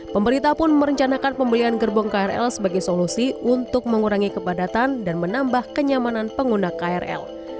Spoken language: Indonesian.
pemerintah pun merencanakan pembelian gerbong krl sebagai solusi untuk mengurangi kepadatan dan menambah kenyamanan pengguna krl